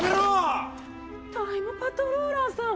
タイムパトローラーさん！